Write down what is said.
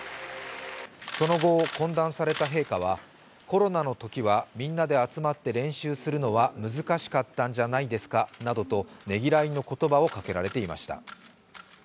その後、懇談された陛下はコロナのときはみんなで集まって練習するのは難しかったんじゃないですかなどとねぎらいの言葉をかけられていました。